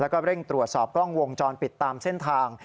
แล้วก็เร่งตรวจสอบกล้องวงจรปิดตามเส้นทาง